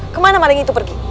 kemana maling itu pergi